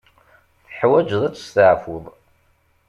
Teḥwaǧeḍ ad testeɛfuḍ.